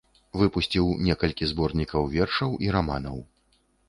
Выпусціў некалькі зборнікаў вершаў і раманаў.